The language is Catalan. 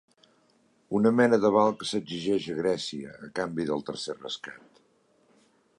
Una mena d’aval que s’exigeix a Grècia a canvi del tercer rescat.